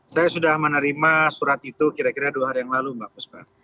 saya sudah menerima surat itu kira kira dua hari yang lalu mbak puspa